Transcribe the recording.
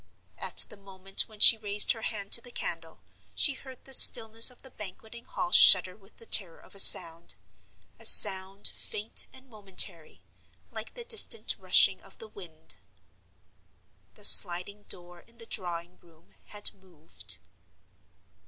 At the moment when she raised her hand to the candle, she heard the stillness of the Banqueting Hall shudder with the terror of a sound—a sound faint and momentary, like the distant rushing of the wind. The sliding door in the drawing room had moved.